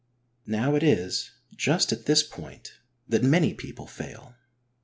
Now it is just at this point that many people fail.